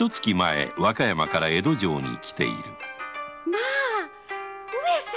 まぁ上様。